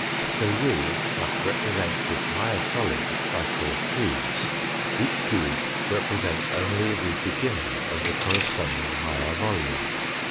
So we must represent this higher solid by four cubes : each cube represents only the beginning of the correspond ing higher volume.